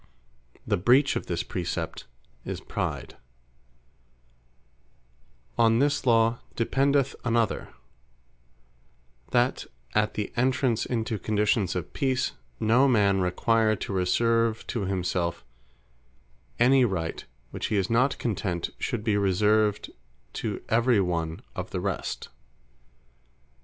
The breach of this Precept is Pride. The Tenth Against Arrogance On this law, dependeth another, "That at the entrance into conditions of Peace, no man require to reserve to himselfe any Right, which he is not content should be reserved to every one of the rest."